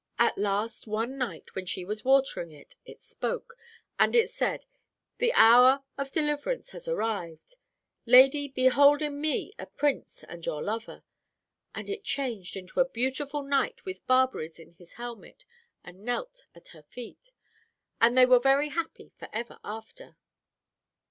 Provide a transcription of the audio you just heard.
At last, one night, when she was watering it, it spoke, and it said, 'The hour of deliverance has arrived. Lady, behold in me a Prince and your lover!' and it changed into a beautiful knight with barberries in his helmet, and knelt at her feet, and they were very happy for ever after."